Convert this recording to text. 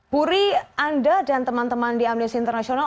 puri anda dan teman teman di amnesty international